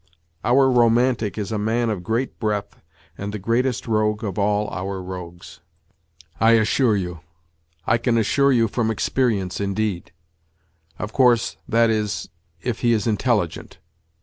Our " romantic " is a man of great breadth and the 85 greatest rogue of all our rogues, I assure you. ... I can assure you from experience, indeed. Of course, that is, if he is in telligent.